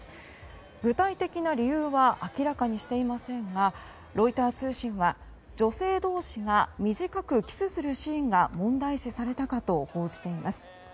具体的な理由は明らかにしていませんがロイター通信は女性同士が短くキスするシーンが問題視されたかと報じています。